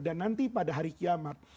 dan nanti pada hari kiamat